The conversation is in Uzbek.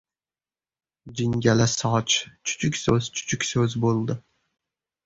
Jingalasoch chuchukso‘z-chuchukso‘z bo‘ldi: